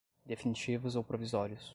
definitivos ou provisórios.